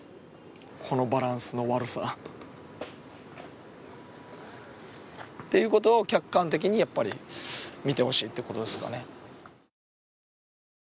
このバランスの悪さ、ていうことを客観的に見てほしいっていうことですかね。